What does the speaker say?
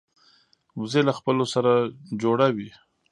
وزې له خپلو سره جوړه وي